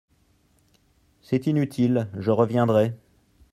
C’est inutile… je reviendrai.